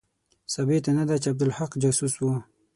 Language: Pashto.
ثابته نه ده چې عبدالحق جاسوس وو.